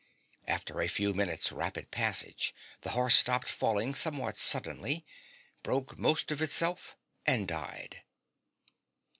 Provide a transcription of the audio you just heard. After a few minutes' rapid passage the horse stopped falling somewhat suddenly, broke most of itself, and died.